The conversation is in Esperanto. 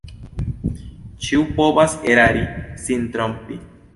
Ĉiu povas erari, sin trompi...